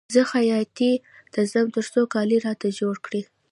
زه خیاطۍ ته ځم تر څو کالي راته جوړ کړي